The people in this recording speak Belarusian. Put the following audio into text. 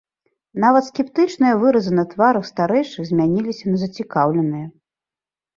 Нават скептычныя выразы на тварах старэйшых змяніліся на зацікаўленыя.